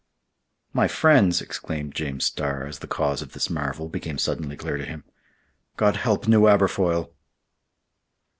"My friends!" exclaimed James Starr, as the cause of this marvel became suddenly clear to him, "God help New Aberfoyle!"